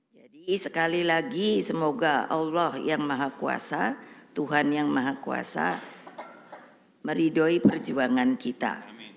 jadi sekali lagi semoga allah yang maha kuasa tuhan yang maha kuasa meridoi perjuangan kita